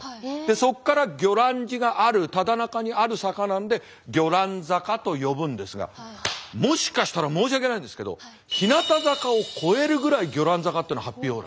そこから魚籃寺があるただ中にある坂なので魚籃坂と呼ぶんですがもしかしたら申し訳ないんですけど日向坂を超えるぐらい魚籃坂ってのはハッピーオーラ。